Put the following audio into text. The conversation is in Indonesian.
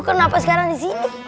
kenapa sekarang di sini